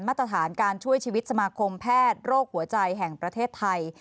มาตรฐานการช่วยชีวิตสมาคมแพทย์โรคหัวใจแห่งประเทศไทย